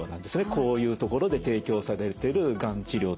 こういう所で提供されてるがん治療というのは。